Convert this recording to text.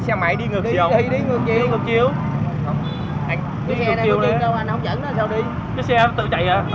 cái xe này không chứng đâu anh không dẫn nó sao đi